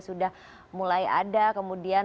sudah mulai ada kemudian